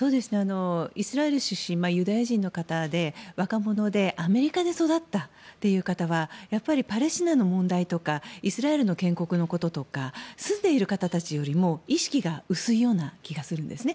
イスラエル出身のユダヤ人の方で若者でアメリカで育ったという方はパレスチナの問題とかイスラエルの建国のこととか住んでいる方たちよりも意識が薄いような気がするんですね。